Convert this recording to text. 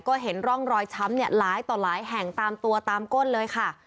ก็เห็นร่องรอยช้ำเนี่ยหลายต่อหลายแห่งตามตัวตามก้นเลยค่ะ